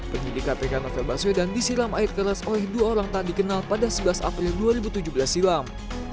penyidik kpk novel baswedan disiram air keras oleh dua orang tak dikenal pada sebelas april dua ribu tujuh belas silam